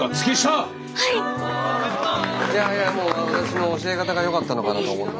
いやいやもう私の教え方がよかったのかなと思い。